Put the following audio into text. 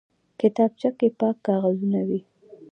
کتابچه کې پاک کاغذونه وي